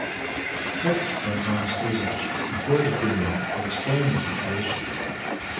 Peck went on stage before the premiere to explain the situation.